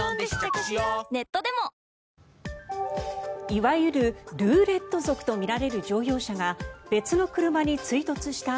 いわゆるルーレット族とみられる乗用車が別の車に追突した